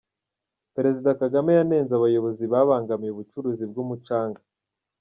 Perezida Kagame yanenze abayobozi babangamiye ubucuruzi bw’umucanga.